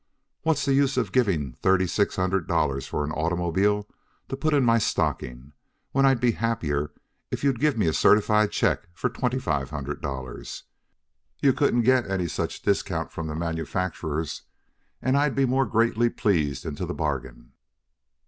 What's the use of giving thirty six hundred dollars for an automobile to put in my stocking when I'd be happier if you'd give me a certified check for twenty five hundred dollars? You couldn't get any such discount from the manufacturers, and I'd be more greatly pleased into the bargain.